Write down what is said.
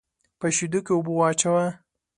په شېدو کې اوبه واچوه.